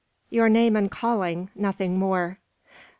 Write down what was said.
"Your name and calling; nothing more."